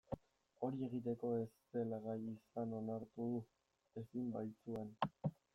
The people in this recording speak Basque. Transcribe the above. Hori egiteko ez zela gai izan onartu du, ezin baitzuen.